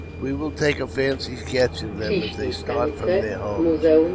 We will take a fancy sketch of them as they start from their homes.